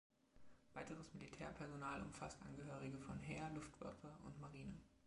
Weiteres Militärpersonal umfasst Angehörige von Heer, Luftwaffe und Marine.